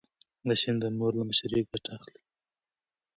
ماشوم د مور له مشورې ګټه اخلي.